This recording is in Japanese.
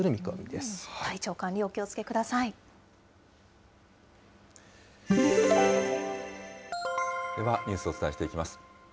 ではニュースをお伝えしていきます。